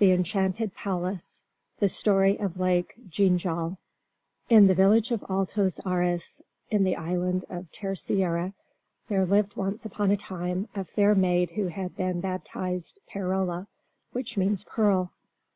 THE ENCHANTED PALACE The Story of Lake Ginjal In the village of Altos Ares in the island of Terceira there lived once upon a time a fair maid who had been baptized Perola, which means Pearl.